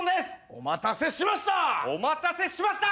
お待たせしました！